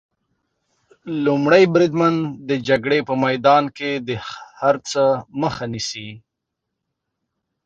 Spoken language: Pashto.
لومړی بریدمن د جګړې په میدان کې د هر څه مخه نیسي.